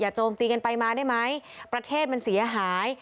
โจมตีกันไปมาได้ไหมประเทศมันเสียหาย